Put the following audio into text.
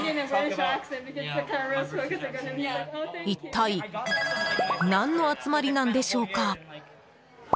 一体、何の集まりなんでしょうか？